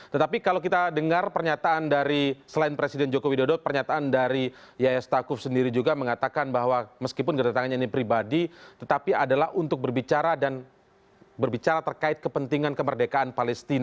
tetapi kalau kita dengar pernyataan dari selain presiden joko widodo pernyataan dari yaya stakuf sendiri juga mengatakan bahwa meskipun kedatangannya ini pribadi tetapi adalah untuk berbicara dan berbicara terkait kepentingan kemerdekaan palestina